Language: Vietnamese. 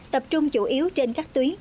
tập trung chủ yếu trên các tuyến